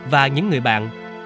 và những người bạn